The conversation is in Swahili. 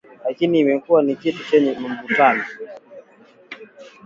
Lakini imekuwa ni kitu chenye mvutano